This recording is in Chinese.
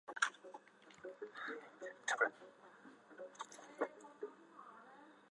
他主张综合治理黄河下游。